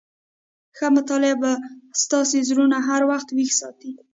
ښه مطالعه به ستاسي زړونه هر وخت ويښ ساتي.